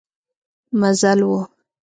مزل و.